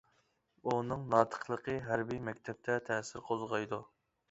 ئۇنىڭ ناتىقلىقى ھەربىي مەكتەپتە تەسىر قوزغايدۇ.